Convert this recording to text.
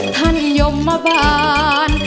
ท่านยมมาบาน